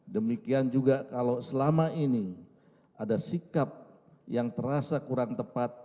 demikian juga kalau selama ini ada sikap yang terasa kurang tepat